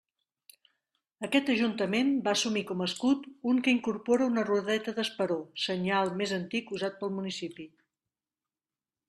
Aquest Ajuntament va assumir com a escut un que incorpora una rodeta d'esperó, senyal més antic usat pel municipi.